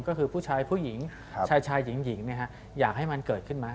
ก็คือผู้ชายผู้หญิงชายหญิงอยากให้มันเกิดขึ้นไหม